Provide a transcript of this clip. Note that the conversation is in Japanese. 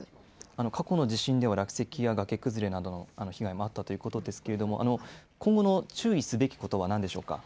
過去の地震では落石や崖崩れもあったということですが今後、注意すべきことはなんでしょうか。